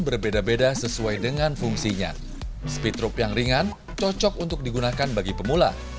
berbeda beda sesuai dengan fungsinya speed rope yang ringan cocok untuk digunakan bagi pemula